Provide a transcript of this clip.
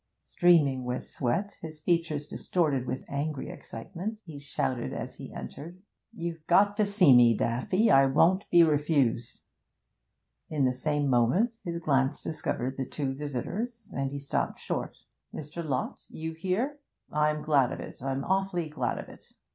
Streaming with sweat, his features distorted with angry excitement, he shouted as he entered, 'You've got to see me, Daffy; I won't be refused!' In the same moment his glance discovered the two visitors, and he stopped short. 'Mr. Lott, you here? I'm glad of it I'm awfully glad of it.